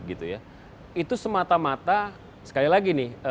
itu semata mata sekali lagi nih